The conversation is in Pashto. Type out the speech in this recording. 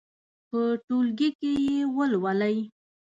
په ټولګي کې یې ولولئ.